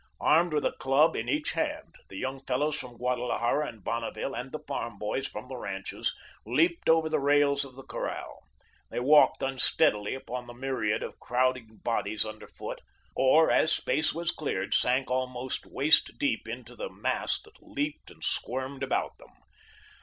Armed with a club in each hand, the young fellows from Guadalajara and Bonneville, and the farm boys from the ranches, leaped over the rails of the corral. They walked unsteadily upon the myriad of crowding bodies underfoot, or, as space was cleared, sank almost waist deep into the mass that leaped and squirmed about them.